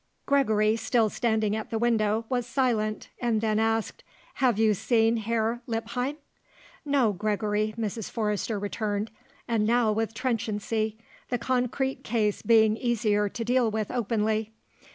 Gregory, still standing at the window, was silent, and then asked: "Have you seen Herr Lippheim?" "No, Gregory," Mrs. Forrester returned, and now with trenchancy, the concrete case being easier to deal with openly.